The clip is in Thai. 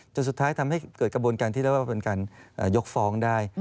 จนสุดท้ายทำให้เกิดกระบวนการที่เรียกว่าเป็นการยกฟ้องได้